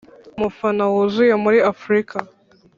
umufana wuzuye muri afurika